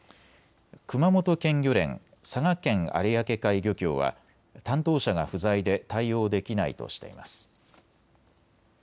熊本県漁連、佐賀県有明海漁協は担当者が不在で対応できないとしています。